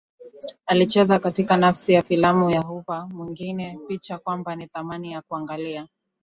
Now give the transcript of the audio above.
alicheza katika nafasi ya filamu ya HooverMwingine picha kwamba ni thamani ya kuangalia